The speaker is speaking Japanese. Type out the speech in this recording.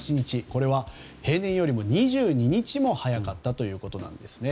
これは平年よりも２２日よりも早かったということなんですね。